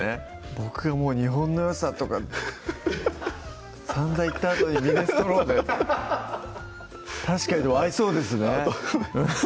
僕「日本のよさ」とかさんざん言ったあとにミネストローネ確かに合いそうですね合うと思います